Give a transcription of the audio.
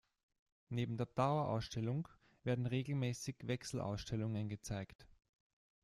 Neben der Dauerausstellung werden regelmäßig Wechselausstellungen gezeigt.